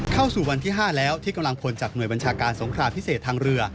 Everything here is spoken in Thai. เข้าสู่วันที่๕แล้วที่กำลังพลจากหน่วยบัญชาการสงครามพิเศษทางเรือ